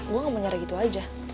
gue gak mau nyerah gitu aja